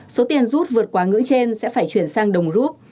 số tiền rút vượt quá ngưỡng trên sẽ phải chuyển sang đồng rút